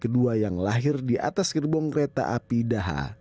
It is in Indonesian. kedua yang lahir di atas gerbong kereta api daha